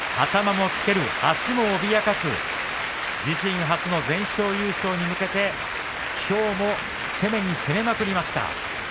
頭もつけ、足も脅かす初の全勝優勝に向けてきょうも攻めに攻めました。